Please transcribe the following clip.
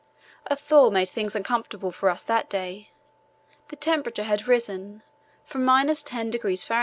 A thaw made things uncomfortable for us that day. The temperature had risen from –10° Fahr.